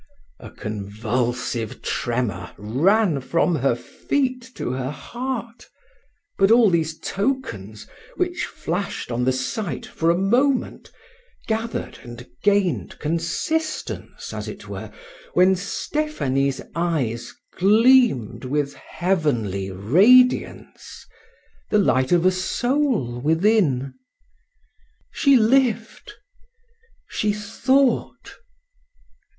A convulsive tremor ran from her feet to her heart. But all these tokens, which flashed on the sight in a moment, gathered and gained consistence, as it were, when Stephanie's eyes gleamed with heavenly radiance, the light of a soul within. She lived, she thought!